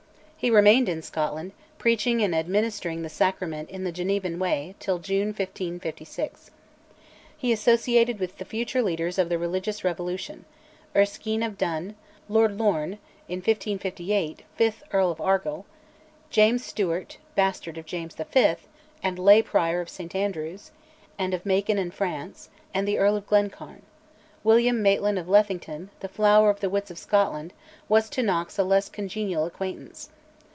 He remained in Scotland, preaching and administering the Sacrament in the Genevan way, till June 1556. He associated with the future leaders of the religious revolution: Erskine of Dun, Lord Lorne (in 1558, fifth Earl of Argyll), James Stewart, bastard of James V., and lay Prior of St Andrews, and of Macon in France; and the Earl of Glencairn. William Maitland of Lethington, "the flower of the wits of Scotland," was to Knox a less congenial acquaintance.